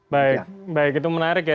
baik baik itu menarik ya